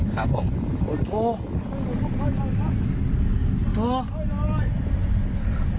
ครับผม